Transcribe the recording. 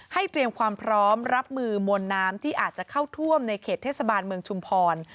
เตรียมความพร้อมรับมือมวลน้ำที่อาจจะเข้าท่วมในเขตเทศบาลเมืองชุมพร